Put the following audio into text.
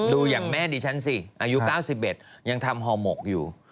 ดูอย่างแม่ดิฉันสิอายุ๙๑ยังทำฮหมกอยู่